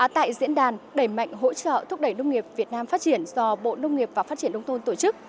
tại diễn đàn đẩy mạnh hỗ trợ thúc đẩy nông nghiệp việt nam phát triển do bộ nông nghiệp và phát triển đông thôn tổ chức